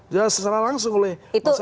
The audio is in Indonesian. tidak sesalah langsung oleh masyarakat